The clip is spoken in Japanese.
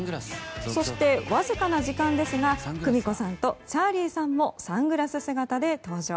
そして、わずかな時間ですが久美子さんとチャーリーさんもサングラス姿で登場。